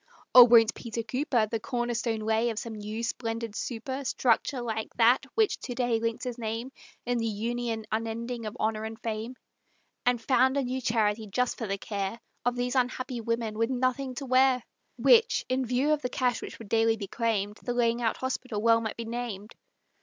Or won't Peter Cooper The corner stone lay of some new splendid super Structure, like that which to day links his name In the Union unending of Honor and Fame, And found a new charity just for the care Of these unhappy women with nothing to wear, Which, in view of the cash which would daily be claimed, The Laying out Hospital well might be named?